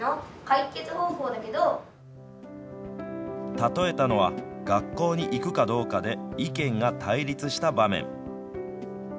たとえたのは学校に行くかどうかで意見が対立した場面。